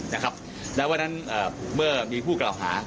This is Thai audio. ว่าทางที่มีกับผู้กล่าวหา